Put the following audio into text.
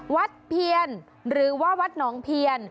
เพียนหรือว่าวัดหนองเพียน